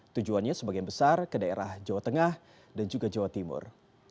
tujuannya sebagian besar ke daerah jawa tengah dan juga jawa timur